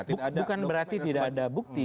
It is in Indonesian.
bukan berarti tidak ada bukti